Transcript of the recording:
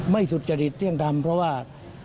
ไม่สุดจดิตเที่ยงทำเพราะว่า